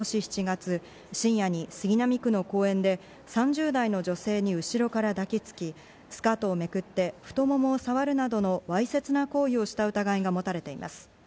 警視庁によりますと、会社員の四条隆直容疑者は、今年７月、深夜に杉並区の公園で３０代の女性に後ろから抱きつき、スカートをめくって太ももを触るなどのわいせつな行為をした疑いが持たれています。